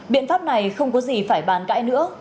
biện pháp này không có gì phải bàn cãi nữa